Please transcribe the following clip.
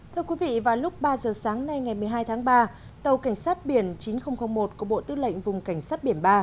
thưa quý vị vào lúc ba giờ sáng nay ngày một mươi hai tháng ba tàu cảnh sát biển chín nghìn một của bộ tư lệnh vùng cảnh sát biển ba